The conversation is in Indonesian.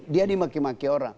dia dimaki maki orang